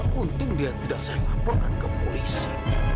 gak penting dia tidak saya laporkan ke polisi